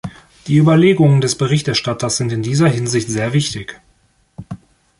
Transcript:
Die Überlegungen des Berichterstatters sind in dieser Hinsicht sehr wichtig.